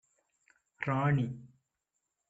ராணி: